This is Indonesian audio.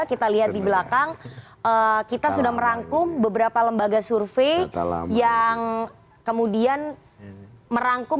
kita lihat di belakang kita sudah merangkum beberapa lembaga survei yang kemudian merangkum